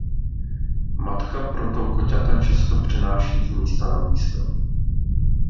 Matka proto koťata často přenáší z místa na místo.